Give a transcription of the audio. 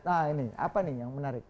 nah ini apa nih yang menarik